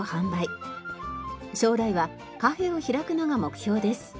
将来はカフェを開くのが目標です。